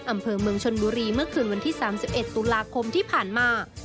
อำเภอเมืองชนบุรีเมื่อคืนวันที่๓๑ตุลาคมที่ผ่านมา